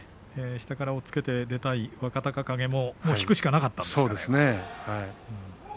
下から押っつけて出たい若隆景も引くしかなかったですね。